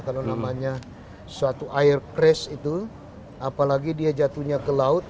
kalau namanya suatu air crash itu apalagi dia jatuhnya ke laut